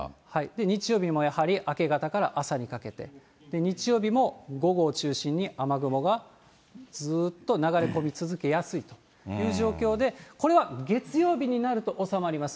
日曜日もやはり明け方から朝にかけて、日曜日も午後を中心に雨雲がずーっと流れ込み続けやすいということで、これは月曜日になると収まります。